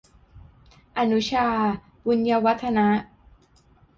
อนุชา บุญยวรรธนะ